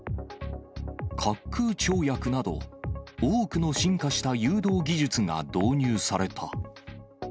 滑空跳躍など、多くの進化した誘導技術が導入された。